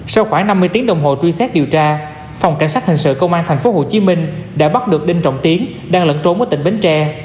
sau khoảng năm mươi tiếng đồng hồ truy xét điều tra phòng cảnh sát hình sự công an thành phố hồ chí minh đã bắt được đinh trọng tiến đang lận trốn ở tỉnh bến tre